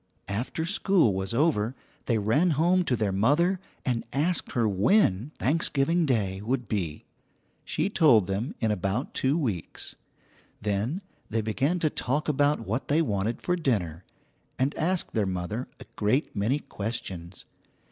After school was over, they ran home to their mother, and asked her when Thanksgiving Day would be. She told them in about two weeks; then they began to talk about what they wanted for dinner, and asked their mother a great many questions.